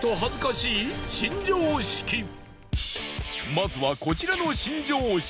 まずはこちらの新常識。